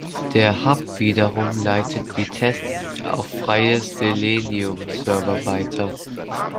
Der Hub wiederum leitet die Tests auf freie Selenium-Server weiter.